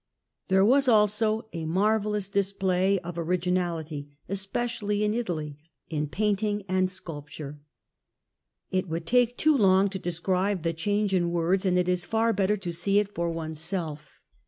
There was also a marvellous display of originality, es])ecially in Italy, in painting and sculpture. It would take too long to describe the change in words, and it is far better to see it for oneself.